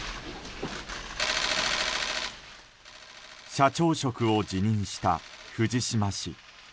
社長職を辞任した藤島氏。